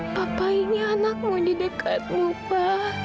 papa ini anakmu di dekat rumah